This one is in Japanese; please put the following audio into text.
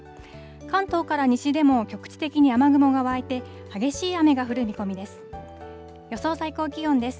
関東から西でも局地的に雨雲が湧いて、激しい雨が降る見込みです。